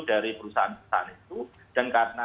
dari perusahaan perusahaan itu dan karena